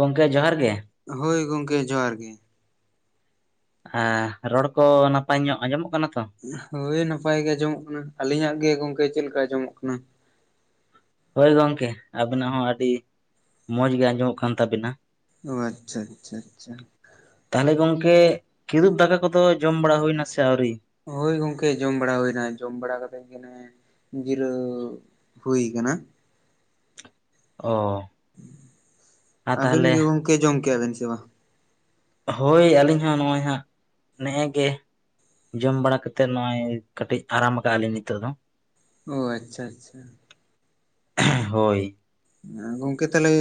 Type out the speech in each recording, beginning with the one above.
ᱜᱚᱢᱠᱮ ᱡᱚᱦᱟᱨ ᱜᱮ ᱦᱳᱭ ᱜᱚᱝᱠᱮ ᱡᱚᱦᱟᱨ ᱜᱮ ᱨᱚᱲ ᱠᱚ ᱱᱟᱯᱟᱭ ᱧᱚᱜ ᱟᱸᱡᱚᱢᱚᱜ ᱠᱟᱱᱟ ᱛᱚ ᱦᱳᱭ ᱱᱟᱯᱟᱭ ᱜᱮ ᱟᱸᱡᱚᱢᱚᱜ ᱠᱟᱱᱟ ᱟᱹᱞᱤᱧᱟᱜ ᱜᱮ ᱜᱚᱝᱠᱮ ᱪᱮᱫ ᱞᱮᱠᱟ ᱡᱚᱢᱚᱜ ᱠᱟᱱᱟ ᱦᱳᱭ ᱜᱚᱝᱠᱮ ᱟᱵᱤᱱᱟᱜ ᱦᱚᱸ ᱟᱹᱰᱤ ᱢᱚᱸᱡᱽ ᱜᱮ ᱟᱸᱡᱚᱢᱚᱜ ᱠᱟᱱ ᱛᱟᱵᱤᱱᱟ᱾ ᱚ ᱟᱪᱪᱷᱟ ᱟᱪᱪᱷᱟ ᱟᱪᱪᱷᱟ᱾ ᱛᱟᱦᱚᱞᱮ ᱜᱚᱝᱠᱮ ᱠᱤᱫᱩᱵ ᱫᱟᱠᱟ ᱠᱚᱫᱚ ᱡᱚᱢ ᱵᱟᱲᱟ ᱦᱩᱭᱱᱟ ᱥᱮ ᱟᱹᱣᱨᱤ ᱦᱳᱭ ᱜᱚᱝᱠᱮ ᱡᱚᱢ ᱵᱟᱲᱟ ᱦᱩᱭᱮᱱᱟ ᱡᱚᱢ ᱵᱟᱲᱟ ᱠᱟᱛᱮᱜ ᱜᱮ ᱡᱤᱨᱟᱹᱣ ᱦᱩᱭ ᱟᱠᱟᱱᱟ ᱚ ᱟᱨ ᱟᱵᱤᱱ ᱛᱟᱦᱚᱞᱮ ᱜᱮ ᱜᱚᱝᱠᱮ ᱡᱚᱢ ᱠᱮᱭᱟᱵᱤᱱ ᱥᱮ ᱵᱟᱝ ᱦᱳᱭ ᱟᱹᱞᱤᱧ ᱦᱚᱸ ᱱᱚᱜᱼᱚᱭ ᱦᱟᱸᱜ ᱱᱮ ᱜᱮ ᱡᱚᱢ ᱵᱟᱲᱟ ᱠᱟᱛᱮᱫ ᱱᱚᱜᱼᱚᱭ ᱠᱟᱹᱴᱤᱡ ᱟᱨᱟᱢ ᱠᱟᱜᱼᱟ ᱞᱤᱧ ᱱᱤᱛᱚᱜ ᱫᱚ ᱾ ᱚ ᱟᱪᱪᱷᱟ- ᱟᱪᱪᱷᱟ ᱾ ᱦᱮᱸ ᱦᱳᱭ ᱾ ᱜᱚᱝᱠᱮ ᱛᱟᱦᱚᱞᱮ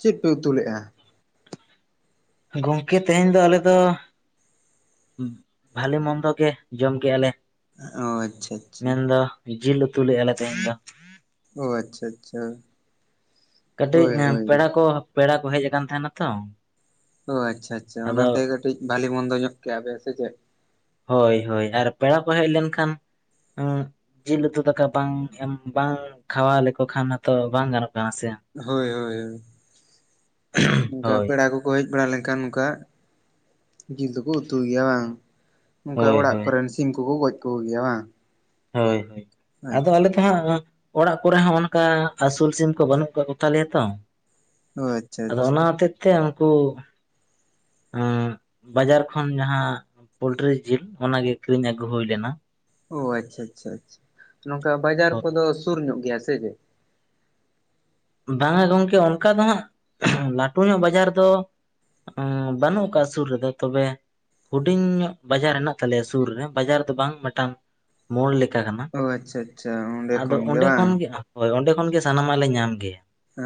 ᱪᱮᱫ ᱯᱮ ᱩᱛᱩ ᱞᱮᱫᱼᱟ ᱜᱚᱝᱠᱮ ᱛᱮᱦᱮᱧ ᱫᱚ ᱟᱞᱮ ᱫᱚ ᱵᱷᱟᱞᱮ ᱢᱚᱱᱫᱚ ᱜᱮ ᱡᱚᱢ ᱠᱮᱜᱼᱟᱞᱮ ᱾ ᱚ ᱟᱪᱪᱷᱟ ᱟᱪᱪᱷᱟ ᱢᱮᱱᱫᱚ ᱡᱤᱞ ᱩᱛᱩ ᱞᱮᱜᱼᱟ ᱞᱮ ᱛᱮᱦᱮᱸᱧ ᱫᱚ ᱾ ᱚ ᱟᱪᱪᱷᱟ-ᱟᱪᱪᱷᱟ ᱾ ᱠᱟᱹᱴᱤᱡ ᱯᱮᱲᱟ ᱠᱚ, ᱯᱮᱲᱟ ᱠᱚ ᱦᱮᱡ ᱟᱠᱟᱱ ᱛᱟᱸᱦᱮᱱᱟ ᱛᱚ ᱾ ᱚ ᱟᱪᱪᱷᱟᱼ ᱟᱪᱪᱷᱟ ᱚᱱᱟᱛᱮ ᱠᱟᱹᱴᱤᱡ ᱵᱷᱟᱞᱮ ᱢᱚᱱᱫᱚ ᱧᱚᱜ ᱠᱮᱜᱼᱟ ᱯᱮ ᱥᱮ ᱪᱮᱫ? ᱦᱳᱭ- ᱦᱳᱭ ᱟᱨ ᱯᱮᱲᱟ ᱠᱚ ᱦᱮᱡ ᱞᱮᱱᱠᱷᱟᱱ ᱩᱸ ᱡᱤᱞ ᱩᱛᱩ ᱫᱟᱠᱟ ᱵᱟᱝ ᱮᱢ, ᱵᱟᱝ ᱠᱷᱟᱣᱟ ᱞᱮᱠᱚ ᱠᱷᱟᱱ ᱦᱚᱛᱚ, ᱵᱟᱝ ᱜᱟᱱᱚᱜ ᱠᱟᱱᱟ ᱥᱮ ᱾ ᱦᱳᱭ ᱦᱳᱭᱳ ᱚᱱᱠᱟ ᱦᱳᱭ ᱯᱮᱲᱟ ᱠᱚ ᱠᱚ ᱦᱮᱡ ᱵᱟᱲᱟ ᱞᱮᱱᱠᱷᱟᱱ ᱱᱚᱝᱠᱟ, ᱡᱤᱞ ᱫᱚᱠᱚ ᱩᱛᱩᱭ ᱜᱮᱭᱟ ᱵᱟᱝ? ᱱᱚᱝᱠᱟ ᱦᱳᱭ ᱚᱲᱟᱜ ᱦᱳᱭ ᱠᱚᱨᱮᱱ ᱥᱤᱢ ᱠᱚᱠᱚ ᱜᱚᱡ ᱠᱚᱜᱮᱭᱟ ᱵᱟᱝ? ᱦᱳᱭ-ᱦᱳᱭ ᱟᱫᱚ ᱟᱪᱪᱷᱟ ᱟᱞᱮ ᱫᱚ ᱦᱟᱸᱜ ᱚᱲᱟᱜ ᱠᱚᱨᱮ ᱦᱚᱸ ᱚᱱᱠᱟ ᱟᱹᱥᱩᱞ ᱥᱤᱢ ᱠᱚ ᱵᱟᱹᱱᱩᱜ ᱠᱚ ᱛᱟᱞᱮᱭᱟ ᱛᱚ ᱚ ᱟᱪᱪᱷᱟ ᱟᱫᱚ ᱟᱪᱪᱷᱟ ᱚᱱᱟ ᱦᱚᱛᱮᱜ ᱛᱮ ᱩᱱᱠᱩ ᱚ ᱵᱟᱡᱟᱨ ᱠᱷᱚᱱ ᱡᱟᱸᱦᱟᱸ ᱯᱳᱞᱴᱨᱤ ᱡᱤᱞ ᱚᱱᱟᱜᱮ ᱠᱤᱨᱤᱧ ᱟᱹᱜᱩ ᱦᱩᱭ ᱞᱮᱱᱟ ᱾ ᱚ ᱟᱪᱪᱷᱟ ᱟᱪᱪᱷᱟ ᱟᱪᱪᱷᱟ ᱱᱚᱝᱠᱟ ᱵᱟᱡᱟᱨ ᱠᱚᱫᱚ ᱥᱩᱨ ᱧᱚᱜ ᱜᱮᱭᱟ ᱥᱮ ᱪᱮ ᱵᱟᱝᱟ ᱜᱚᱝᱠᱮ ᱚᱱᱠᱟ ᱫᱚ, ᱦᱟᱸᱜ ᱞᱟᱹᱴᱩ ᱧᱚᱜ ᱵᱟᱡᱟᱨ ᱫᱚ ᱦᱩᱸ ᱵᱟᱹᱱᱩᱜ ᱠᱟᱜᱼᱟ ᱥᱩᱨ ᱨᱮᱫᱚ ᱛᱚᱵᱮ ᱦᱩᱰᱤᱧ ᱧᱚᱜ ᱵᱟᱡᱟᱨ ᱦᱮᱱᱟᱜ ᱛᱟᱞᱮᱭᱟ ᱥᱩᱨ ᱨᱮ, ᱵᱟᱡᱟᱨ ᱫᱚ ᱵᱟᱝ ᱢᱤᱫᱴᱟᱝ ᱢᱳᱲ ᱞᱮᱠᱟ ᱠᱟᱱᱟ ᱚ ᱟᱪᱪᱷᱟ ᱟᱪᱪᱷᱟ ᱚᱸᱰᱮ ᱟᱫᱚ ᱚᱸᱰᱮ ᱵᱟᱝ ᱠᱷᱚᱱ ᱜᱮ ᱦᱳᱭ ᱚᱸᱰᱮ ᱠᱷᱚᱱ ᱜᱮ ᱥᱟᱱᱟᱢᱟᱜ ᱞᱮ ᱧᱟᱢ ᱜᱮᱭᱟ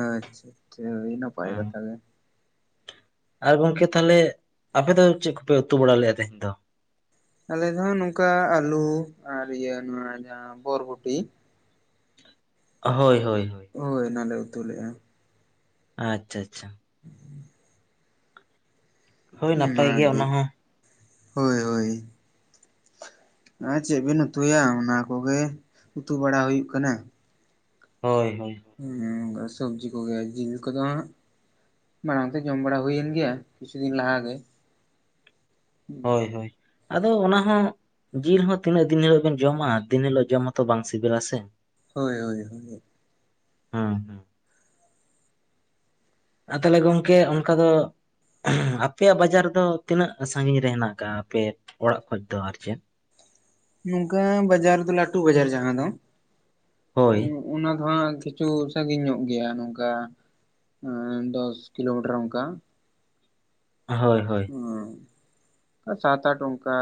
ᱟᱪᱷᱟ ᱟᱪᱷᱟ ᱟᱹᱰᱤ ᱱᱟᱯᱟᱭ ᱦᱮᱸ ᱠᱟᱛᱷᱟ ᱜᱮ ᱟᱨ ᱜᱚᱝᱠᱮ ᱛᱟᱦᱚᱞᱮ ᱟᱯᱮ ᱫᱚ, ᱪᱮᱫ ᱠᱚᱯᱮ ᱩᱛᱩ ᱵᱟᱲᱟ ᱞᱮᱜᱼᱟ ᱛᱮᱦᱮᱧ ᱫᱚ? ᱟᱞᱮ ᱫᱚ ᱱᱚᱝᱠᱟ ᱟᱞᱩ ᱟᱨ ᱤᱭᱟᱹ ᱱᱚᱣᱟ ᱡᱟᱸᱦᱟᱸ ᱵᱚᱨᱵᱚᱴᱤ ᱦᱳᱭ ᱦᱳᱭ ᱦᱳᱭ ᱦᱳᱭ ᱚᱱᱟᱞᱮ ᱩᱛᱩ ᱞᱮᱜᱼᱟ ᱾ ᱟᱪᱪᱷᱟ-ᱟᱪᱪᱷᱟ ᱾ ᱦᱮᱸ ᱦᱳᱭ ᱱᱟᱯᱟᱭ ᱜᱮᱭᱟ ᱚᱱᱟᱜᱮ ᱚᱱᱟ ᱦᱚᱸ ᱦᱳᱭ-ᱦᱳᱭ ᱾ ᱟᱨ ᱪᱮᱫ ᱵᱤᱱ ᱩᱛᱩᱭᱟ, ᱚᱱᱟ ᱠᱚᱜᱮ ᱩᱛᱩ ᱵᱟᱲᱟ ᱦᱩᱭᱩᱜ ᱠᱟᱱᱟ ᱾ ᱦᱳᱭ-ᱦᱳᱭ ᱾ ᱦᱮᱸ ᱚᱱᱠᱟ ᱥᱚᱵᱽᱡᱤ ᱠᱚᱜᱮ ᱡᱤᱞ ᱠᱚᱫᱚ ᱦᱟᱸᱜ ᱢᱟᱲᱟᱝᱛᱮ ᱡᱚᱢ ᱵᱟᱲᱟ ᱦᱩᱭᱮᱱ ᱜᱮᱭᱟ ᱠᱤᱪᱷᱩ ᱫᱤᱱ ᱞᱟᱦᱟ ᱜᱮ ᱦᱳᱭ ᱦᱳᱭ ᱟᱫᱚ ᱚᱱᱟ ᱦᱚᱸ, ᱡᱤᱞ ᱦᱚᱸ ᱛᱤᱱᱟᱹᱜ ᱫᱤᱱ ᱦᱤᱞᱳᱜ ᱵᱮᱱ ᱡᱚᱢᱟ, ᱫᱤᱱ ᱦᱤᱞᱳᱜ ᱡᱚᱢ ᱢᱟᱛᱚ ᱵᱟᱝ ᱥᱤᱵᱤᱞᱟ ᱥᱮ ᱾ ᱦᱳᱭᱻᱦᱳᱭᱻᱦᱳᱭ ᱾ ᱦᱮᱸᱻᱦᱮᱸ ᱟᱨ ᱛᱟᱦᱚᱞᱮ ᱜᱚᱝᱠᱮ ᱚᱱᱠᱟ ᱫᱚ ᱟᱯᱮᱭᱟᱜ ᱵᱟᱡᱟᱨ ᱫᱚ ᱛᱤᱱᱟᱹᱜ ᱥᱟᱺᱜᱤᱧ ᱨᱮ ᱦᱮᱱᱟᱜ ᱠᱟᱜᱼᱟ, ᱟᱯᱮ ᱚᱲᱟᱜ ᱠᱷᱚᱡ ᱫᱚ ᱟᱨ ᱪᱮᱫ? ᱱᱚᱝᱠᱟ ᱵᱟᱡᱟᱨ ᱫᱚ ᱞᱟᱹᱴᱩ ᱵᱟᱡᱟᱨ ᱡᱟᱦᱟᱸ ᱫᱚ ᱦᱳᱭ ᱚᱱᱟ ᱫᱚ ᱦᱟᱸᱜ ᱠᱤᱪᱷᱩ ᱥᱟᱺᱜᱤᱧ ᱧᱚᱜ ᱜᱮᱭᱟ ᱱᱚᱝᱠᱟ ᱫᱚᱥ ᱠᱤᱞᱳᱢᱤᱴᱟᱨ ᱚᱱᱠᱟ ᱾ ᱦᱳᱭ-ᱦᱳᱭ ᱾ ᱚ ᱥᱟᱛ ᱟᱴ ᱚᱱᱠᱟ,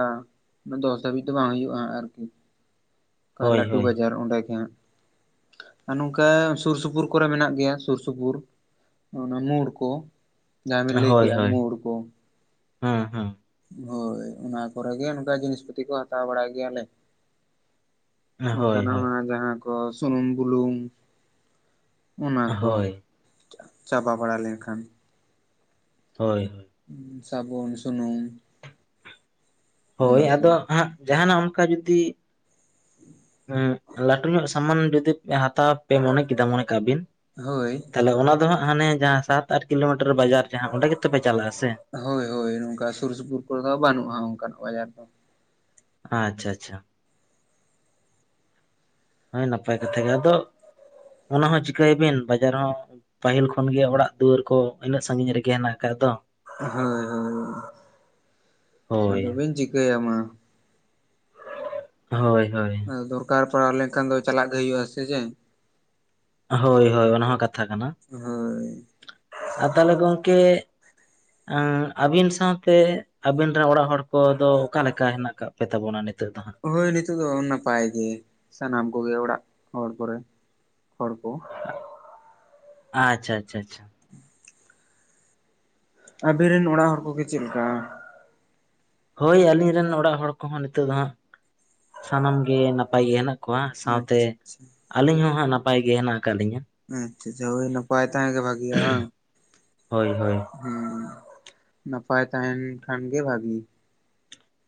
ᱫᱚᱥ ᱫᱷᱟᱹᱵᱤᱡ ᱫᱚ ᱵᱟᱝ ᱦᱩᱭᱩᱜᱼᱟ ᱟᱨᱠᱤ ᱾ ᱚᱠᱟ ᱦᱳᱭ ᱞᱟᱹᱴᱩ ᱦᱳᱭ ᱵᱟᱡᱟᱨ ᱚᱸᱰᱮ ᱜᱮ ᱦᱟᱜ ᱟᱨ ᱱᱚᱝᱠᱟ ᱥᱩᱨ ᱥᱩᱯᱩᱨ ᱠᱚᱨᱮ ᱢᱮᱱᱟᱜ ᱜᱮᱭᱟ ᱥᱩᱨ ᱥᱩᱯᱩᱨ ᱾ ᱚᱱᱟ ᱢᱳᱨ ᱠᱚ ᱡᱟᱦᱟᱸ ᱵᱤᱱ ᱦᱳᱭ ᱞᱟᱹᱭ ᱦᱳᱭ ᱠᱮᱜᱼᱟ ᱢᱳᱲ ᱠᱚ ᱦᱮᱸ ᱦᱮᱸ ᱦᱳᱭ ᱚᱱᱟ ᱠᱚᱨᱮ ᱜᱮ ᱚᱱᱠᱟ ᱡᱤᱱᱤᱥ ᱯᱟᱛᱤ ᱠᱚ ᱦᱟᱛᱟᱣ ᱵᱟᱲᱟ ᱜᱮᱭᱟᱞᱮ ᱱᱚᱝᱠᱟ ᱦᱳᱭ ᱱᱟᱜ ᱦᱳᱭ ᱢᱟ ᱡᱟᱦᱟᱸ ᱠᱚ ᱥᱩᱱᱩᱢ ᱵᱩᱞᱩᱝ ᱚᱱᱟ ᱦᱳᱭ ᱠᱚ ᱦᱳᱭ ᱪᱟᱵᱟ ᱵᱟᱲᱟ ᱞᱮᱱᱠᱷᱟᱱ ᱦᱳᱭ ᱥᱟᱵᱚᱱ ᱥᱩᱱᱩᱢ ᱦᱳᱭ ᱚᱱᱟ ᱟᱫᱚ ᱠᱚ ᱦᱟᱸᱜ ᱡᱟᱦᱟᱱᱟᱜ ᱚᱱᱠᱟ ᱡᱩᱫᱤ ᱞᱟᱹᱴᱩ ᱧᱚᱜ ᱥᱟᱢᱟᱱ ᱡᱩᱫᱤ ᱦᱟᱛᱟᱣ ᱯᱮ ᱢᱚᱱᱮ ᱠᱮᱫᱟ ᱢᱚᱱᱮ ᱠᱟᱜ ᱵᱤᱱ ᱦᱳᱭ ᱛᱟᱦᱚᱞᱮ ᱚᱱᱟ ᱫᱚ ᱦᱟᱸᱜ ᱦᱟᱱᱮ ᱡᱟᱦᱟᱸ ᱥᱟᱛ ᱟᱴ ᱠᱤᱞᱳᱢᱤᱴᱟᱨ ᱵᱟᱡᱟᱨ ᱡᱟᱦᱟᱸ ᱚᱸᱰᱮ ᱜᱮᱛᱚᱯᱮ ᱪᱟᱞᱟᱜᱼᱟ ᱥᱮ ᱦᱳᱭ ᱦᱳᱭ ᱱᱚᱝᱠᱟ ᱥᱩᱨ ᱥᱩᱯᱩᱨ ᱠᱚᱨᱮ ᱫᱚ ᱵᱟᱹᱱᱩᱜᱼᱟ ᱚᱱᱠᱟᱱᱟᱜ ᱵᱟᱡᱟᱨ ᱫᱚ ᱟᱪᱪᱷᱟ ᱟᱪᱪᱷᱟ ᱦᱳᱭ ᱱᱟᱯᱟᱭ ᱠᱟᱛᱷᱟ ᱜᱮ ᱟᱫᱚ ᱚᱱᱟ ᱦᱚᱸ ᱪᱤᱠᱟᱭᱵᱤᱱ ᱵᱟᱡᱟᱨ ᱦᱚᱸ? ᱯᱟᱹᱦᱤᱞ ᱠᱷᱚᱱ ᱜᱮ ᱚᱲᱟᱜ ᱫᱩᱣᱟᱹᱨ ᱠᱚ ᱤᱱᱟᱹᱜ ᱥᱟᱺᱜᱤᱧ ᱨᱮᱜᱮ ᱦᱮᱱᱟᱜ ᱟᱠᱟᱫ ᱫᱚ ᱦᱮᱸ ᱦᱳᱭ ᱟᱫᱚ ᱵᱤᱱ ᱪᱤᱠᱟᱹᱟᱢ ᱢᱟ ᱦᱳᱭ ᱦᱳᱭ ᱫᱚᱨᱠᱟᱨ ᱯᱟᱲᱟᱣ ᱞᱮᱱᱠᱷᱟᱱ ᱫᱚ ᱪᱟᱞᱟᱜ ᱜᱮ ᱦᱩᱭᱩᱜᱼᱟ ᱥᱮ ᱪᱮ ᱦᱳᱭ ᱦᱳᱭ ᱚᱱᱟ ᱦᱚᱸ ᱠᱟᱛᱷᱟ ᱠᱟᱱᱟ᱾ ᱦᱳ ᱟᱨ ᱛᱟᱦᱚᱞᱮ ᱜᱚᱝᱠᱮ ᱮ ᱟᱹᱵᱤᱱ ᱥᱟᱶᱛᱮ ᱟᱹᱵᱤᱱ ᱨᱮᱱ ᱚᱲᱟᱜ ᱦᱚᱲ ᱠᱚᱫᱚ ᱚᱠᱟᱮᱠᱟ ᱦᱮᱱᱟᱜ ᱟᱠᱟᱫ? ᱯᱮ ᱛᱟᱵᱚ ᱱᱤᱛᱚᱜ ᱫᱚ ᱦᱟᱸᱜ ᱦᱳᱭ ᱱᱤᱛᱳᱜ ᱫᱚ ᱱᱟᱯᱟᱭ ᱜᱮ ᱥᱟᱱᱟᱢ ᱠᱚᱜᱮ ᱚᱲᱟᱜ ᱦᱚᱲ ᱠᱚᱨᱮ ᱦᱚᱲ ᱠᱚ ᱟᱪᱷᱟ ᱟᱪᱷᱟ ᱟᱪᱷᱟ ᱟᱵᱤᱱ ᱨᱮᱱ ᱚᱲᱟᱜ ᱦᱚᱲ ᱠᱚᱜᱮ ᱪᱮᱫ ᱞᱮᱠᱟ ᱦᱳᱭ ᱟᱹᱞᱤᱧ ᱨᱮᱱ ᱚᱲᱟᱜ ᱦᱚᱲ ᱠᱚᱦᱚᱸ ᱱᱤᱛᱚᱜ ᱫᱚ ᱦᱟᱸᱜ ᱥᱟᱱᱟᱢ ᱜᱮ ᱱᱟᱯᱟᱭ ᱜᱮ ᱦᱮᱱᱟᱜ ᱥᱟᱶᱛᱮ ᱟᱪᱪᱷᱟ ᱟᱹᱞᱤᱧ ᱦᱚᱸ ᱦᱟᱸᱜ ᱱᱟᱯᱟᱭ ᱜᱮ ᱦᱮᱱᱟᱜ ᱟᱠᱟᱫ ᱞᱤᱧᱟᱹ ᱟᱪᱷᱟ ᱟᱪᱷᱟ ᱦᱳᱭ ᱱᱟᱯᱟᱭ ᱛᱟᱦᱮᱸ ᱜᱮ ᱵᱷᱟᱜᱮᱭᱟ ᱵᱟᱝ? ᱦᱳᱭ ᱦᱳᱭ ᱦᱮᱸ ᱱᱟᱯᱟᱭ ᱛᱟᱦᱮᱱ ᱠᱷᱟᱱ ᱜᱮ ᱵᱷᱟᱜᱤ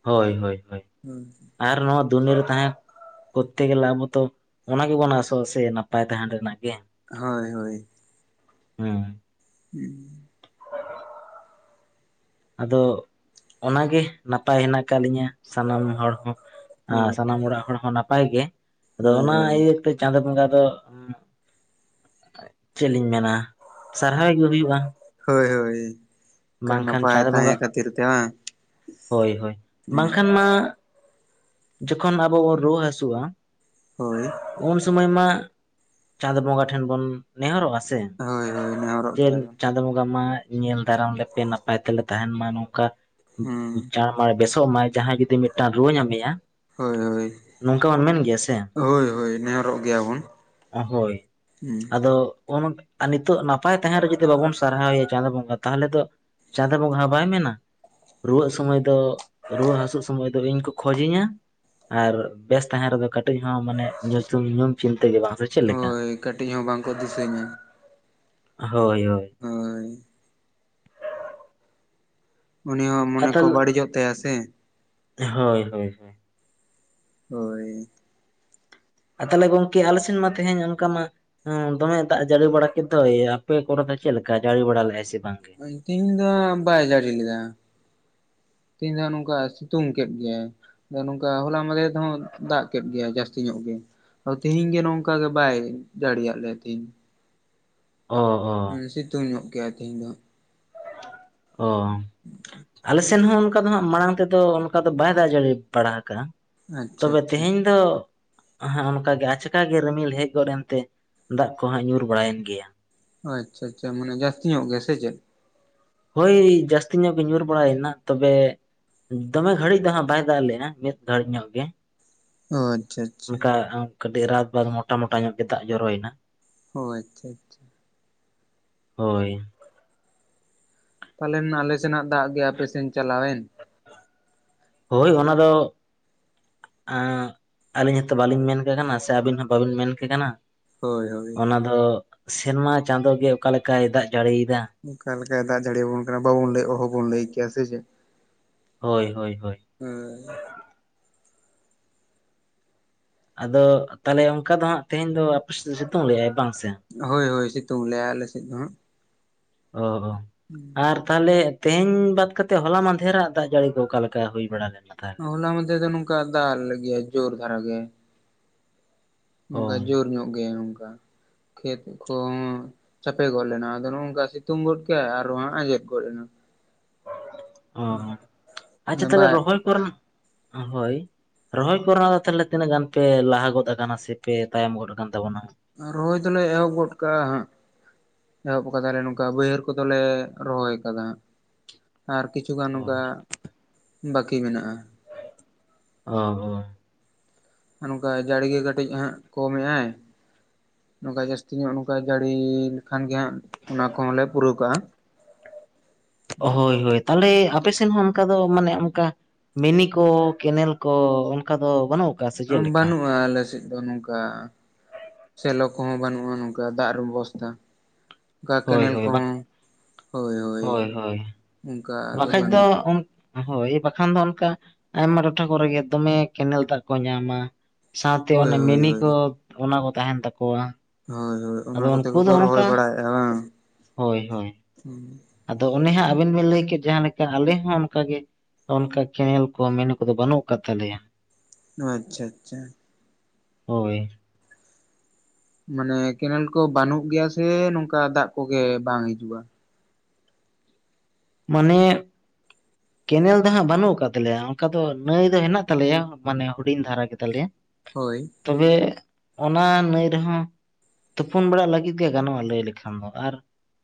ᱦᱳᱭ ᱦᱳᱭ ᱦᱳᱭ ᱦᱮᱸ ᱟᱨ ᱱᱚᱶᱟ ᱫᱩᱱᱤᱭᱟᱹ ᱨᱮ ᱛᱟᱦᱮᱸ ᱠᱚᱨᱛᱮ ᱜᱮᱞᱮ ᱟᱵᱚᱛᱚ ᱚᱱᱟ ᱜᱮᱵᱚᱱ ᱟᱥᱚᱜᱼᱟ ᱥᱮ ᱱᱟᱯᱟᱭ ᱛᱟᱦᱮᱱ ᱨᱮᱱᱟᱜ ᱜᱮ ᱦᱳᱭ ᱦᱳᱭ ᱦᱮᱸ ᱦᱩᱸ ᱟᱫᱚ ᱚᱱᱟᱜᱮ ᱱᱟᱯᱟᱭ ᱦᱮᱱᱟᱜ ᱟᱠᱟᱫ ᱞᱤᱧᱟᱹ ᱥᱟᱱᱟᱢ ᱦᱚᱲ ᱦᱚᱸ ᱟᱨ ᱦᱳᱭ ᱥᱟᱱᱟᱢ ᱚᱲᱟᱜ ᱦᱚᱲ ᱦᱚᱸ ᱱᱟᱯᱟᱭ ᱜᱮ ᱟᱫᱚ ᱚᱱᱟ ᱦᱳᱭ ᱤᱭᱟᱹᱛᱮ ᱪᱟᱸᱫᱳ ᱵᱚᱸᱜᱟ ᱫᱚ ᱪᱮᱫ ᱞᱤᱧ ᱢᱮᱱᱟ ᱥᱟᱨᱦᱟᱣ ᱜᱮ ᱦᱩᱭᱩᱜᱼᱟ ᱦᱳᱭ ᱦᱳᱭ ᱠᱟᱱᱟ ᱵᱟᱝᱠᱷᱟᱱ ᱱᱟᱯᱟᱭ ᱪᱟᱸᱫᱳ ᱵᱚᱸᱜᱟ ᱛᱟᱦᱮᱸ ᱠᱷᱟᱹᱛᱤᱨ ᱛᱮ ᱵᱟᱝ ᱦᱳᱭ ᱦᱳᱭ ᱵᱟᱝᱠᱷᱟᱱ ᱢᱟ ᱡᱚᱠᱷᱚᱱ ᱟᱵᱚ ᱵᱚᱱ ᱨᱩᱣᱟᱹ ᱦᱟᱹᱥᱩᱜᱼᱟ ᱦᱳᱭ ᱩᱱ ᱥᱚᱢᱟᱹᱭ ᱢᱟ ᱪᱟᱸᱫᱽ ᱵᱚᱸᱜᱟ ᱴᱷᱮᱱ ᱵᱚᱱ ᱱᱮᱦᱚᱨᱚᱜ ᱟ ᱥᱮ ᱦᱳᱭ ᱦᱳᱭ ᱱᱮᱦᱚᱨᱚᱜ ᱡᱮ ᱜᱮᱭᱟᱵᱚᱱ ᱪᱟᱸᱫᱳ ᱵᱚᱸᱜᱟ ᱢᱟ ᱧᱮᱞ ᱫᱟᱨᱟᱢ ᱞᱮᱯᱮ ᱱᱟᱯᱟᱭ ᱛᱮᱞᱮ ᱛᱟᱦᱮᱱ ᱢᱟ ᱱᱚᱝᱠᱟ ᱦᱩᱸ ᱢᱟ ᱵᱮᱥᱚᱜ ᱢᱟᱭ ᱡᱟᱦᱟᱸᱭ ᱡᱩᱫᱤ ᱢᱤᱫ ᱴᱟᱱ ᱨᱩᱟᱹ ᱧᱟᱢᱮᱭᱟ ᱦᱳᱭ ᱦᱳᱭ ᱱᱚᱝᱠᱟ ᱵᱚᱱ ᱢᱮᱱ ᱜᱮᱭᱟ ᱥᱮ ᱦᱳᱭ ᱦᱳᱭ ᱱᱮᱦᱚᱨᱚᱜ ᱜᱮᱭᱟᱵᱚᱱ ᱦᱳᱭ ᱦᱩᱸ ᱟᱫᱚ ᱱᱤᱛᱚᱜ ᱱᱟᱯᱟᱭ ᱛᱟᱦᱮᱸ ᱨᱮ ᱡᱩᱫᱤ ᱵᱟᱵᱚᱱ ᱥᱟᱨᱦᱟᱣᱮᱭᱟ ᱪᱟᱸᱫᱚ ᱵᱚᱸᱜᱟ ᱛᱟᱦᱚᱞᱮ ᱫᱚ ᱪᱟᱸᱫᱳ ᱵᱚᱸᱜᱟ ᱦᱚᱸ ᱵᱟᱭ ᱢᱮᱱᱟ ᱾ ᱨᱩᱣᱟᱹᱜ ᱥᱚᱢᱚᱭ ᱫᱚ ᱨᱩᱣᱟᱹ ᱦᱟᱹᱥᱩᱜ ᱥᱚᱢᱚᱭ ᱫᱚ ᱤᱧ ᱠᱚ ᱠᱷᱚᱡᱤᱧᱟ ᱾ ᱟᱨ ᱵᱮᱥ ᱛᱟᱦᱮᱸ ᱨᱮᱫᱚ ᱠᱟᱹᱴᱤᱡ ᱦᱚᱸ ᱢᱟᱱᱮ ᱧᱩᱢ ᱪᱤᱱᱛᱟᱹ ᱜᱮ ᱵᱟᱝ ᱥᱮ ᱾ ᱦᱳᱭ ᱠᱟᱹᱴᱤᱡ ᱦᱚᱸ ᱵᱟᱝ ᱠᱚ ᱫᱤᱥᱟᱹᱧᱟ ᱾ ᱦᱳᱭ ᱦᱳᱭ ᱾ ᱦᱳᱭ ᱾ ᱩᱱᱤ ᱦᱚᱸ ᱟᱨ ᱢᱚᱱᱮ ᱠᱚ ᱛᱟᱦᱚᱞᱮ ᱵᱟᱹᱲᱤᱡᱚᱜ ᱛᱟᱭᱟ ᱥᱮ ᱾ ᱦᱳᱭ ᱦᱳᱭ ᱦᱳᱭ ᱾ ᱦᱳᱭᱹᱹᱹ᱾ ᱟᱨ ᱛᱟᱦᱚᱞᱮ ᱜᱚᱝᱠᱮ ᱟᱞᱮ ᱥᱮᱱ ᱢᱟ ᱛᱮᱦᱮᱧ ᱚᱱᱠᱟ ᱢᱟ ᱾ ᱦᱮᱸ ᱫᱚᱢᱮ ᱫᱟᱜ ᱡᱟᱹᱲᱤ ᱵᱟᱲᱟ ᱠᱮᱫ ᱫᱚᱭ ᱟᱯᱮ ᱠᱚᱨᱮ ᱫᱚ ᱪᱮᱫ ᱞᱮᱠᱟ ᱡᱟᱹᱲᱤ ᱵᱟᱲᱟ ᱞᱮᱫᱟᱭ ᱥᱮ ᱵᱟᱝᱜᱮ ᱾ ᱛᱤᱦᱤᱧ ᱫᱚ ᱵᱟᱭ ᱡᱟᱹᱲᱤ ᱞᱮᱫᱟ ᱾ ᱛᱮᱦᱤᱧ ᱫᱚ ᱦᱟᱸᱜ ᱱᱚᱝᱠᱟ ᱥᱤᱛᱩᱝ ᱠᱮᱫ ᱜᱮᱭᱟᱭ ᱾ ᱱᱚᱝᱠᱟ ᱦᱚᱞᱟ ᱢᱟᱫᱮᱨ ᱫᱚ ᱦᱟᱸᱜ ᱫᱟᱜ ᱠᱮᱫ ᱜᱮᱭᱟ ᱡᱟᱹᱥᱛᱤ ᱧᱚᱜ ᱜᱮ ᱾ ᱛᱤᱦᱤᱧ ᱜᱮ ᱱᱚᱝᱠᱟ ᱜᱮ ᱵᱟᱭ ᱡᱟᱹᱲᱤᱭᱟᱜ ᱞᱮᱭᱟ ᱛᱤᱦᱤᱧ ᱾ ᱚᱸ ᱚᱸ ᱾ ᱥᱤᱛᱩᱝ ᱧᱚᱜ ᱡᱮᱜ ᱟᱭ ᱛᱮᱦᱮᱧ ᱫᱚ ᱾᱾ ᱚᱸ ᱾ ᱟᱞᱮ ᱥᱮᱱ ᱦᱚᱸ ᱚᱱᱠᱟ ᱫᱚ ᱦᱟᱸᱜ ᱢᱟᱲᱟᱝ ᱛᱮᱫᱚ ᱚᱱᱠᱟ ᱫᱚ ᱵᱟᱭ ᱫᱟᱜ ᱡᱟᱹᱲᱤ ᱵᱟᱲᱟ ᱟᱠᱟᱜᱼᱟ ᱾ ᱟᱪᱪᱷᱟ ᱛᱚᱵᱮ ᱟᱪᱪᱷᱟ ᱛᱮᱦᱮᱧ ᱫᱚ ᱾ ᱦᱮᱜ ᱚᱱᱠᱟ ᱜᱮ ᱟᱪᱚᱠᱟ ᱜᱮ ᱨᱤᱢᱤᱞ ᱦᱮᱡ ᱜᱚᱫ ᱮᱱᱛᱮ ᱫᱟᱜ ᱠᱚᱦᱟᱸᱜ ᱧᱩᱨ ᱵᱟᱲᱟᱭᱮᱱ ᱜᱮᱭᱟ ᱾ ᱟᱪᱪᱷᱟ ᱟᱪᱪᱷᱟ ᱢᱟᱱᱮ ᱡᱟᱹᱥᱛᱤ ᱧᱚᱜ ᱜᱮ ᱥᱮ ᱪᱮᱫ ᱾ ᱦᱳᱭ ᱡᱟᱹᱥᱛᱤ ᱧᱚᱜ ᱜᱮ ᱧᱩᱨ ᱵᱟᱲᱟᱭᱮᱱᱟ ᱛᱚᱵᱮ ᱾ ᱫᱚᱢᱮ ᱜᱷᱟᱹᱲᱤᱡ ᱫᱚ ᱦᱟᱸᱜ ᱵᱟᱭ ᱫᱟᱜ ᱞᱮᱱᱟ ᱢᱤᱫ ᱜᱷᱟᱹᱲᱤᱡ ᱧᱚᱜ ᱜᱮ ᱾ ᱚᱸ ᱟᱪᱚᱪᱷᱟ ᱾ ᱚᱱᱠᱟ ᱠᱟᱹᱴᱤᱡ ᱨᱟᱛ ᱵᱟᱛ ᱢᱳᱴᱟ ᱢᱚᱴᱟ ᱧᱚᱜ ᱜᱮ ᱫᱟᱜ ᱡᱚᱨᱚᱭᱮᱱᱟ ᱾ ᱚ ᱟᱪᱚᱪᱷᱟ ᱟᱪᱚᱪᱷᱟ ᱾ ᱦᱳᱭ ᱾ ᱯᱟᱞᱮᱱ ᱟᱞᱮ ᱥᱮᱱᱟᱜ ᱫᱟᱜ ᱜᱮ ᱟᱯᱮ ᱥᱮᱱ ᱪᱟᱞᱟᱣᱮᱱ ᱾ ᱦᱳᱭ ᱚᱱᱟ ᱫᱚ ᱾ ᱟᱹᱞᱤᱧ ᱦᱚᱸᱛᱚ ᱵᱟᱞᱤᱧ ᱢᱮᱱ ᱠᱟᱜ ᱠᱟᱱᱟ ᱥᱮ ᱟᱹᱵᱤᱱ ᱦᱚᱸ ᱵᱟᱹᱵᱤᱱ ᱢᱮᱱ ᱠᱮ ᱠᱟᱱᱟ ᱾ ᱦᱳᱭ ᱦᱳᱭ ᱾ ᱟᱫᱚ ᱥᱮᱨᱢᱟ ᱪᱟᱸᱫᱳ ᱜᱮ ᱟᱫᱚ ᱚᱠᱟ ᱞᱮᱠᱟᱭ ᱫᱟᱜ ᱡᱟᱹᱲᱤᱭᱮᱫᱟ ᱾ ᱚᱠᱟ ᱞᱮᱠᱟᱭ ᱫᱟᱜ ᱡᱟᱹᱲᱤ ᱵᱚᱱ ᱠᱟᱱᱟ ᱵᱟᱵᱚᱱ ᱞᱟᱹᱭ ᱚᱦᱚᱵᱚᱱ ᱞᱟᱹᱭ ᱠᱮᱭᱟ ᱥᱮ ᱪᱮᱫ ᱾ ᱦᱳᱭ ᱦᱳᱭ ᱦᱳᱭ ᱾ ᱦᱮᱸ ᱾ ᱟᱫᱚ ᱛᱟᱦᱚᱞᱮ ᱚᱱᱠᱟ ᱫᱚ ᱦᱟᱸᱜ ᱛᱮᱦᱮᱧ ᱫᱚ ᱟᱯᱮ ᱥᱮᱫ ᱫᱚ ᱥᱤᱛᱩᱝ ᱞᱮᱜ-ᱟᱭ ᱵᱟᱝ ᱥᱮ? ᱦᱳᱭ ᱦᱳᱭ ᱥᱤᱛᱩᱝ ᱞᱮ ᱟᱭ ᱟᱞᱮ ᱥᱮᱫ ᱫᱚ ᱦᱟᱸᱜ ᱾ ᱚᱸ ᱚᱸ ᱟᱨ ᱾ ᱛᱟᱦᱚᱞᱮ ᱛᱮᱦᱮᱧ ᱵᱟᱫ ᱠᱟᱛᱮ ᱦᱚᱞᱟ ᱢᱟᱫᱷᱮᱨᱟᱜ ᱫᱟᱜ ᱡᱟᱹᱲᱤ ᱠᱚ ᱚᱠᱟᱞᱮᱠᱟ ᱦᱩᱭ ᱵᱟᱲᱟ ᱞᱮᱱᱟ ᱛᱟᱦᱚᱞᱮ ᱾ ᱦᱚᱞᱟ ᱢᱟᱫᱮᱨ ᱫᱚ ᱱᱚᱝᱠᱟ ᱫᱟᱜ ᱞᱮᱫ ᱜᱮᱭᱟ ᱡᱳᱨ ᱫᱷᱟᱨᱟ ᱜᱮ ᱾ ᱚ ᱚᱱᱠᱟ ᱡᱳᱨ ᱧᱚᱜ ᱜᱮ ᱚᱱᱠᱟ ᱠᱷᱮᱛ ᱠᱚᱦᱚᱸ ᱾ ᱪᱟᱯᱮ ᱜᱚᱜᱞᱮᱱᱟ ᱟᱫᱚ ᱱᱚᱝᱠᱟ ᱥᱤᱛᱩᱝ ᱜᱚᱫ ᱠᱮ ᱟᱨᱚ ᱦᱟᱸᱜ ᱟᱡᱮᱫ ᱜᱚᱫ ᱮᱱᱟ ᱾ ᱚ ᱟᱪᱪᱷᱟ ᱚᱱᱟ ᱛᱟᱦᱚᱞᱮ ᱵᱟᱭ ᱨᱚᱦᱚᱭ ᱠᱚᱨᱮ ᱦᱳᱭ ᱾ ᱨᱚᱦᱚᱭ ᱠᱚᱨᱮ ᱦᱚᱸ ᱫᱚ ᱛᱟᱦᱚᱞᱮ ᱛᱤᱱᱟᱹᱜ ᱜᱟᱱ ᱯᱮ ᱞᱟᱦᱟ ᱜᱚᱫ ᱟᱠᱟᱱᱟ ᱥᱮ ᱯᱮ ᱛᱟᱭᱚᱢ ᱜᱚᱫ ᱟᱠᱟᱱ ᱛᱟᱵᱚᱱᱟ ᱾ ᱨᱚᱦᱚᱭ ᱫᱚᱞᱮ ᱮᱦᱚᱵ ᱜᱚᱫ ᱠᱟᱜᱼᱟ ᱦᱟᱸᱜ ᱾ ᱮᱦᱚᱵ ᱟᱠᱟᱫᱟᱞᱮ ᱱᱚᱝᱠᱟ ᱵᱟᱹᱭᱦᱟᱹᱲ ᱠᱚᱫᱚᱞᱮ ᱨᱚᱦᱚᱭ ᱟᱠᱟᱫᱟ ᱦᱟᱸᱜ ᱾ ᱟᱨ ᱠᱤᱪᱷᱩᱜᱟᱱ ᱚ ᱱᱚᱝᱠᱟ ᱵᱟᱹᱠᱤ ᱢᱮᱱᱟᱜᱼᱟ ᱾ ᱚ ᱚ ᱾ ᱱᱚᱝᱠᱟ ᱡᱟᱹᱲᱜᱮ ᱠᱟᱹᱴᱤᱡ ᱦᱟᱸᱜ ᱠᱚᱢᱮᱜᱼᱟᱭ ᱾ ᱱᱚᱝᱠᱟ ᱡᱟᱹᱥᱛᱤ ᱧᱚᱜ ᱱᱚᱝᱠᱟᱭ ᱡᱟᱹᱲᱤ ᱞᱮᱠᱷᱟᱱ ᱜᱮ ᱦᱟᱸᱜ ᱚᱱᱟ ᱠᱚᱦᱚᱸ ᱞᱮ ᱯᱩᱨᱟᱹᱣ ᱠᱟᱜᱼᱟ ᱦᱳᱭ ᱦᱳᱭ ᱛᱟᱦᱞᱮ ᱟᱯᱮᱥᱮᱱ ᱦᱚᱸ ᱚᱱᱠᱟ ᱫᱚ ᱢᱟᱱᱮ ᱚᱱᱠᱟ ᱢᱤᱱᱤ ᱠᱚ ᱠᱮᱱᱮᱞ ᱠᱚ ᱚᱱᱠᱟ ᱫᱚ ᱵᱟᱹᱱᱩᱜ [unintelligible] [unintelligible] ᱩᱢ ᱞᱮᱠᱟ? ᱵᱟᱹᱱᱩᱜᱼᱟ ᱟᱞᱮᱥᱮᱫ ᱫᱚ ᱱᱚᱝᱠᱟ ᱥᱮᱞᱚ ᱠᱚᱦᱚᱸ ᱵᱟᱹᱱᱩᱜᱼᱟ ᱱᱚᱝᱠᱟ ᱫᱟᱜ ᱨᱮ ᱵᱮᱵᱚᱥᱛᱟ [unintelligible] ᱚᱠᱟ ᱦᱳᱭ ᱠᱮᱱᱮᱞ ᱦᱳᱭ ᱵᱟ ᱠᱚᱦᱚᱸ ᱦᱳᱭ ᱦᱳᱭ ᱚᱱᱠᱟ ᱫᱚ ᱵᱟᱹᱱᱩᱜ ᱦᱳᱭ ᱵᱟᱠᱷᱟᱱ ᱫᱚ ᱚᱱᱠᱟ ᱟᱭᱢᱟ ᱴᱚᱴᱷᱟ ᱠᱚᱨᱮ ᱜᱮ ᱫᱚᱢᱮ ᱠᱮᱱᱮᱞ ᱫᱟᱜ ᱠᱚ ᱧᱟᱢᱟ ᱥᱟᱶᱛᱮ ᱦᱳᱭ ᱚᱱᱮ ᱦᱳᱭ ᱢᱤᱱᱤ ᱦᱳᱭ ᱠᱚ ᱚᱱᱟ ᱠᱚ ᱛᱟᱦᱮᱸᱱ ᱛᱟᱠᱚᱣᱟ ᱦᱳᱭ ᱦᱳᱭ ᱚᱱᱟ ᱟᱫᱚ ᱠᱚᱛᱮ ᱩᱱᱠᱩ ᱫᱚ ᱜᱮᱠᱚ ᱨᱚᱦᱚᱭ ᱚᱱᱠᱟ ᱵᱟᱲᱟᱭᱮᱜᱼᱟ ᱵᱟᱝ ᱦᱳᱭ ᱦᱳᱭ ᱟᱫᱚ ᱚᱱᱮ ᱦᱟᱸᱜ ᱟᱵᱤᱱ ᱵᱤᱱ ᱞᱟᱹᱭ ᱠᱮᱫ ᱡᱟᱦᱟᱸ ᱞᱮᱠᱟ ᱟᱞᱮ ᱦᱚᱸ ᱚᱱᱠᱟᱜᱮ ᱚᱱᱠᱟ ᱠᱮᱱᱮᱞ ᱠᱚ ᱢᱮᱱᱩ ᱠᱚᱫᱚ ᱵᱟᱹᱱᱩᱜ ᱟᱠᱟᱫ ᱛᱟᱞᱮᱭᱟ ᱟᱪᱪᱷᱟ ᱟᱪᱪᱷᱟ ᱦᱳᱭ [unintelligible] ᱢᱟᱱᱮ ᱠᱮᱸᱱᱮᱞ ᱠᱚ ᱵᱟᱹᱱᱩᱜ ᱜᱮᱭᱟ ᱥᱮ ᱱᱚᱝᱠᱟ ᱫᱟᱜ ᱠᱚᱜᱮ ᱵᱟᱝ ᱦᱤᱡᱩᱜᱼᱟ ᱢᱟᱱᱮ [unintelligible] ᱠᱮᱱᱮᱞ ᱫᱚ ᱦᱟᱸᱜ ᱵᱟᱹᱱᱩᱜ ᱟᱠᱟᱫ ᱛᱟᱞᱮᱭᱟ ᱚᱱᱠᱟ ᱫᱚ ᱱᱟᱹᱭ ᱫᱚ ᱦᱮᱱᱟᱜ ᱛᱟᱞᱮᱭᱟ ᱢᱟᱱᱮ ᱦᱩᱰᱤᱧ ᱫᱷᱟᱨᱟ ᱜᱮ ᱛᱟᱞᱮᱭᱟ ᱦᱳᱭ [unintelligible] ᱛᱚᱵᱮ ᱚᱱᱟ ᱱᱟᱹᱭ ᱨᱮᱦᱚᱸ ᱛᱩᱯᱩᱱ ᱵᱟᱲᱟ ᱞᱟᱹᱜᱤᱫ ᱜᱮ ᱜᱟᱱᱚᱜᱼᱟ ᱞᱟᱹᱭ ᱞᱮᱠᱷᱟᱱ ᱫᱚ ᱟᱨ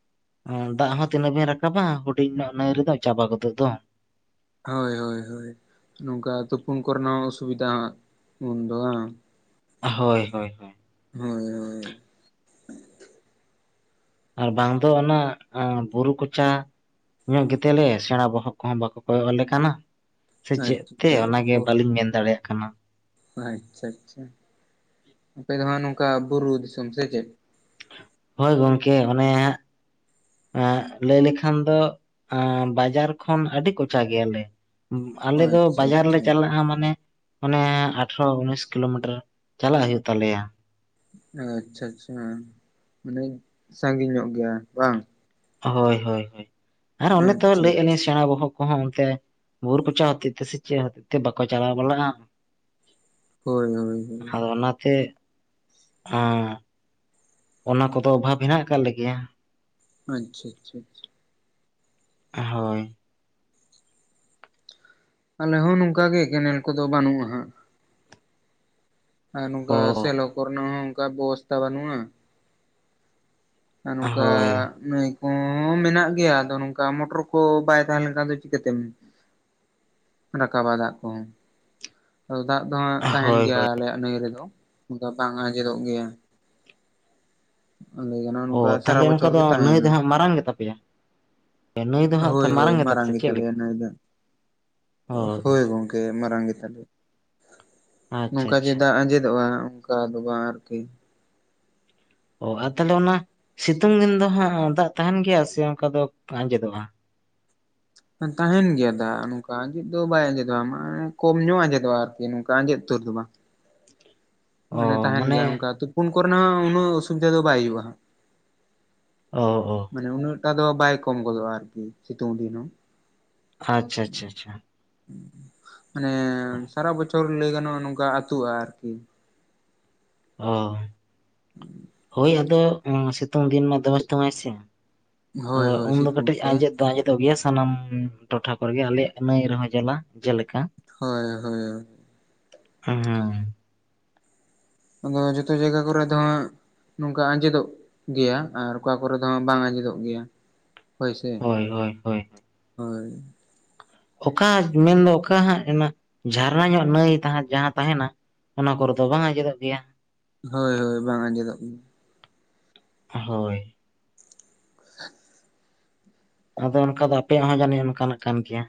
[unintelligible] ᱫᱟᱜ ᱦᱚᱸ ᱛᱤᱱᱟᱹᱜ ᱵᱮᱱ ᱨᱟᱠᱟᱵᱟ ᱦᱩᱰᱤᱧ ᱧᱚᱜ ᱱᱟᱹᱭ ᱨᱮᱫᱚ ᱪᱟᱵᱟ ᱜᱚᱫᱚᱜ ᱫᱚ ᱦᱳᱭ ᱦᱳᱭ ᱦᱳᱭ ᱱᱚᱝᱠᱟ ᱛᱩᱯᱩᱱ ᱠᱚᱨᱮᱱᱟᱜ ᱦᱚᱸ ᱚᱥᱩᱵᱤᱫᱟ ᱦᱟᱸᱜ ᱩᱱ ᱫᱚ ᱵᱟᱝ ᱦᱳᱭ ᱦᱳᱭ ᱦᱳᱭ [unintelligible] ᱦᱳᱭ ᱦᱳᱭ ᱟᱨ ᱵᱟᱝ ᱫᱚ ᱚᱱᱟ ᱟᱸ ᱵᱩᱨᱩ ᱠᱚᱪᱟᱻᱟ [unintelligible] ᱜᱮᱛᱮᱞᱮ ᱥᱮᱬᱟ ᱵᱚᱦᱚᱜ ᱠᱚᱦᱚᱸ ᱵᱟᱸᱠᱚ ᱠᱚᱭᱚᱜ ᱟᱞᱮ ᱠᱟᱱᱟ ᱥᱮ ᱪᱮᱫ ᱛᱮ ᱟᱪᱪᱷᱟ ᱚᱱᱟᱜᱮ ᱠᱚ ᱵᱟᱹᱞᱤᱧ ᱢᱮᱱ ᱫᱟᱲᱮᱭᱟᱜ ᱠᱟᱱᱟ ᱟᱪᱪᱷᱟ ᱟᱪᱪᱷᱟ ᱟᱯᱮ ᱫᱚ ᱦᱟᱸᱜ ᱱᱚᱝᱠᱟ ᱵᱩᱨᱩ ᱫᱤᱥᱚᱢ ᱥᱮ ᱪᱮᱫ ᱦᱳᱭ ᱜᱚᱝᱠᱮ ᱚᱱᱮ ᱦᱟᱸᱜ ᱟᱸᱜ ᱞᱟᱹᱭ ᱞᱮᱠᱷᱟᱱ ᱫᱚ ᱟᱸ ᱵᱟᱡᱟᱨ ᱠᱷᱚᱱ ᱟᱹᱰᱤ ᱠᱚᱪᱟ ᱜᱮᱭᱟᱞᱮ ᱟᱞᱮ ᱫᱚ ᱟᱪᱪᱷᱟ ᱵᱟᱡᱟᱨ ᱞᱮ ᱟᱪᱪᱷᱟ ᱪᱟᱞᱟᱜᱼᱟ ᱢᱟᱱᱮ ᱚᱱᱮ ᱟᱴᱷᱨᱚ ᱩᱱᱤᱥ ᱠᱤᱞᱳᱢᱤᱴᱟᱨ ᱪᱟᱞᱟᱜ ᱦᱩᱭᱩᱜ ᱛᱟᱞᱮᱭᱟ ᱟᱪᱪᱷᱟ ᱟᱪᱪᱷᱟ ᱢᱟᱱᱮ ᱥᱟᱺᱜᱤᱧ ᱧᱚᱜ ᱜᱮᱭᱟ ᱵᱟᱝ ᱦᱳᱭ ᱦᱳᱭ ᱦᱳᱭ ᱟᱨ ᱚᱱᱮ ᱛᱚ ᱟᱪᱪᱷᱟ ᱞᱟᱹᱭᱮᱜ ᱟᱞᱤᱧ ᱟᱪᱪᱷᱟ [unintelligible] ᱥᱮᱬᱟ ᱵᱚᱦᱚᱜ ᱠᱚᱦᱚᱸ ᱚᱱᱛᱮ ᱵᱩᱨᱩ ᱠᱚᱪᱟ ᱦᱚᱛᱮᱜ ᱛᱮ ᱥᱮ ᱪᱮᱫ ᱦᱚᱛᱮᱜ ᱛᱮ ᱵᱟᱠᱚ ᱪᱟᱞᱟᱣ ᱵᱟᱲᱟᱜᱼᱟ ᱦᱳᱭ ᱦᱳᱭ ᱦᱳᱭ ᱦᱚᱸ ᱚᱱᱟᱛᱮ ᱦᱚᱸ ᱚᱱᱟ ᱠᱚᱫᱚ ᱚᱵᱷᱟᱵᱽ ᱦᱮᱱᱟᱜ ᱟᱠᱟᱫ ᱞᱮᱜᱮᱭᱟ ᱟᱪᱪᱷᱟ ᱟᱪᱷᱟ ᱟᱪᱪᱷᱟ ᱦᱳᱭ ᱟᱞᱮ ᱦᱚᱸ ᱱᱚᱝᱠᱟ ᱜᱮ ᱠᱮᱱᱮᱞ ᱠᱚᱫᱚ ᱵᱟᱹᱱᱩᱜᱼᱟ ᱦᱟᱸᱜ ᱟᱨ ᱚ ᱱᱚᱝᱠᱟ ᱥᱮᱞᱚ ᱠᱚᱨᱮ ᱨᱮᱱᱟᱜ ᱦᱚᱸ ᱚᱱᱠᱟ ᱵᱮᱵᱚᱥᱛᱷᱟ ᱵᱟᱹᱱᱩᱜᱼᱟ ᱟᱨ ᱱᱚᱝᱠᱟ ᱦᱳᱭ ᱱᱟᱹᱭ [unintelligible] ᱢᱮᱱᱟᱜ ᱜᱮᱭᱟ ᱟᱫᱚ ᱱᱚᱝᱠᱟ ᱢᱚᱴᱚᱨ ᱠᱚ ᱵᱟᱭ ᱛᱟᱦᱮᱸ ᱞᱮᱱᱠᱷᱟᱱ ᱫᱚ ᱪᱤᱠᱟᱹ ᱛᱮᱢ ᱨᱟᱠᱟᱵᱟ ᱫᱟᱜ ᱠᱚ ᱦᱚᱸ ᱟᱫᱚ ᱫᱟᱜ ᱫᱚ ᱦᱟᱸᱜ ᱛᱟᱦᱮᱱ ᱦᱳᱭ ᱜᱮᱭᱟ ᱦᱳᱭ ᱟᱞᱮᱭᱟᱜ ᱱᱟᱹᱭ ᱨᱮᱫᱚ ᱫᱚ ᱵᱟᱝ ᱟᱸᱡᱮᱫᱚᱜ ᱜᱮᱭᱟ ᱞᱟᱹᱭ ᱜᱟᱱᱚᱜᱼᱟ ᱚ ᱱᱚᱝᱠᱟ ᱥᱟᱨᱟ ᱛᱟᱦᱞᱮ ᱚᱱᱠᱟ ᱵᱚᱪᱷᱚᱨ ᱫᱚ ᱜᱮ ᱱᱟᱹᱭ ᱫᱚ ᱛᱟᱦᱮᱱᱟ ᱦᱟᱸᱜ ᱢᱟᱨᱟᱝ ᱜᱮ ᱛᱟᱯᱮᱭᱟ ᱱᱟᱹᱭ ᱫᱚ ᱦᱟᱸᱜ ᱛᱚ ᱦᱳᱭ ᱦᱳᱭ ᱢᱟᱨᱟᱝ ᱜᱮᱛᱟ ᱯᱮ ᱥᱮ ᱪᱮᱫ ᱜᱮᱛᱟᱞᱮᱭᱟ ᱞᱮᱠᱟ ᱱᱟᱹᱭ ᱫᱚ ᱚᱦᱻᱚ [unintelligible] ᱢᱟᱨᱟᱝ ᱜᱮ ᱛᱟᱞᱮᱭᱟ ᱟᱪᱪᱷᱟ ᱚᱱᱠᱟ ᱟᱪᱪᱷᱟ ᱡᱮ ᱫᱟᱜ ᱟᱸᱡᱮᱫᱚᱜᱼᱟ ᱚᱱᱠᱟ ᱫᱚ ᱵᱟᱝ ᱟᱨᱠᱤ ᱚ ᱟᱨ ᱛᱟᱞᱦᱮ ᱚᱱᱟ ᱥᱤᱛᱩᱝ ᱫᱤᱱ ᱫᱚ ᱦᱟᱸᱜ ᱫᱟᱜ ᱛᱟᱦᱮᱸᱱ ᱜᱮᱭᱟ ᱥᱮ ᱚᱱᱠᱟ ᱫᱚ ᱟᱸᱡᱮᱫᱚᱜᱼᱟ ᱛᱟᱦᱮᱸᱱ ᱜᱮᱭᱟ ᱫᱟᱜ ᱱᱚᱝᱠᱟ ᱟᱸᱡᱮᱫ ᱫᱚ ᱵᱟᱭ ᱟᱸᱡᱮᱫᱚᱜᱼᱟ ᱢᱟᱱᱮ ᱠᱚᱢ ᱧᱚᱜ ᱟᱸᱡᱮᱫᱚᱜᱼᱟ ᱟᱨᱠᱤ ᱱᱚᱝᱠᱟ ᱟᱸᱡᱮᱫ ᱩᱛᱟᱹᱨ ᱫᱚ ᱵᱟᱝ ᱢᱟᱱᱮ ᱛᱟᱦᱮᱱ ᱜᱮᱭᱟ ᱱᱚᱝᱠᱟ ᱛᱚ ᱛᱩᱯᱩᱱ ᱠᱚᱨᱮ ᱱᱟᱜ ᱦᱚᱸ ᱩᱱᱟᱹᱜ ᱚᱥᱩᱵᱤᱫᱷᱟ ᱫᱚ ᱵᱟᱭ ᱦᱩᱭᱩᱜ-ᱟ᱾ ᱚ ᱳ᱾ ᱢᱟᱱᱮ ᱩᱱᱟᱹᱜ ᱴᱟ ᱫᱚ ᱵᱟᱭ ᱠᱚᱢ ᱜᱚᱫᱚᱜ-ᱟ ᱟᱨ ᱠᱤ ᱥᱤᱛᱩᱝ ᱫᱤᱱ ᱦᱚᱸ᱾ ᱟᱪᱪᱷᱟ ᱟᱪᱷᱟ ᱟᱪᱷᱟ᱾ ᱢᱟᱱᱮ ᱥᱟᱨᱟ ᱵᱚᱪᱷᱚᱨ ᱞᱟᱹᱭ ᱜᱟᱱᱚᱜ-ᱟ ᱱᱚᱝᱠᱟ ᱟᱛᱩᱜ-ᱟ ᱟᱨ ᱠᱤ᱾ ᱦᱚ ᱦᱳᱭ ᱟᱫᱚ ᱚᱸ ᱥᱤᱛᱩᱝ ᱫᱤᱱ ᱢᱟ ᱫᱚᱢᱮ‌ ᱥᱤᱛᱩᱝ ᱟᱭ ᱥᱮ᱾ ᱚ ᱦᱳᱭ ᱦᱳᱭ ᱩᱱ ᱫᱚ ᱥᱤᱛᱩᱝ ᱠᱟᱹᱴᱤᱡ ᱛᱮ ᱟᱸᱡᱮᱫ ᱫᱚ ᱟᱸᱡᱮᱫ ᱫᱚᱜ ᱜᱮᱭᱟ ᱥᱟᱱᱟᱢ ᱴᱚᱴᱷᱟ ᱠᱚᱨᱮ ᱜᱮ ᱟᱞᱮ ᱭᱟᱜ ᱱᱟᱹᱭ ᱨᱮᱦᱚᱸ ᱡᱮᱞᱟ ᱡᱮ ᱞᱮᱠᱟ᱾ ᱦᱚᱭ ᱦᱳᱭ ᱦᱚ᱾ ᱚᱸ ᱦᱮᱸ᱾ ᱟᱫᱚ ᱡᱚᱛᱚ ᱡᱟᱭᱜᱟ ᱠᱚᱨᱮ ᱫᱚ ᱦᱟᱸᱜ ᱱᱚᱝᱠᱟ ᱟᱸᱡᱮᱫᱚᱜ ᱜᱮᱭᱟ ᱟᱨ ᱚᱠᱟ ᱠᱚᱨᱮ ᱫᱚ ᱦᱟᱸᱜ ᱵᱟᱝ ᱟᱸᱡᱮᱫᱚᱜ ᱜᱮᱭᱟ᱾ ᱦᱚᱭ ᱥᱮ, ᱦᱳᱭ ᱦᱳᱭ ᱦᱳᱭ ᱦᱚᱭ᱾ ᱚᱠᱟ ᱢᱮᱱ ᱫᱚ ᱚᱠᱟ ᱦᱟᱸᱜ ᱮᱱᱟ ᱡᱷᱟᱨᱱᱟ ᱧᱚᱜ ᱱᱟᱹᱭ ᱛᱟᱦᱟᱸ ᱡᱟᱦᱟᱸ ᱛᱟᱦᱮᱱᱟ᱾ ᱚᱱᱟ ᱠᱚᱨᱮ ᱫᱚ ᱵᱟᱝ ᱟᱸᱡᱮᱫᱚᱜ ᱜᱮᱭᱟ᱾ ᱦᱚᱭ ᱦᱚᱭ ᱵᱟᱝ ᱟᱸᱡᱮᱫᱚᱜ ᱦᱚᱭ᱾ ᱟᱫᱚ ᱚᱱᱠᱟ ᱫᱚ ᱟᱯ ᱯᱮ ᱭᱟᱜ ᱦᱚᱸ ᱡᱟᱱᱤᱡ ᱚᱱᱠᱟ ᱱᱟᱜ ᱠᱟᱱ ᱜᱮᱭᱟ᱾